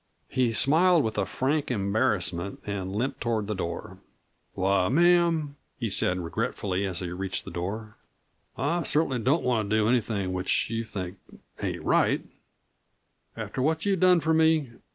He smiled with a frank embarrassment and limped toward the door. "Why, ma'am," he said regretfully as he reached the door, "I cert'nly don't want to do anything which you think ain't right, after what you've done for me.